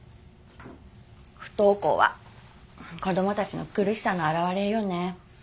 不登校は子供たちの苦しさの表れよね。